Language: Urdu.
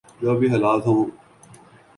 جو بھی حالات ہوں۔